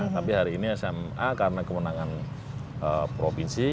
tapi hari ini sma karena kewenangan provinsi